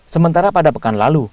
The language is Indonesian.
sementara pada pekan lalu